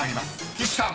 岸さん］